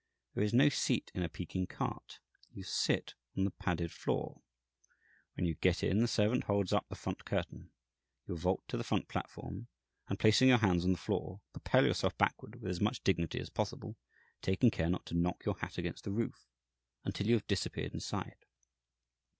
There is no seat in a Peking cart; you sit on the padded floor. When you get in, the servant holds up the front curtain, you vault to the front platform, and, placing your hands on the floor, propel yourself backward, with as much dignity as possible, taking care not to knock your hat against the roof, until you have disappeared inside.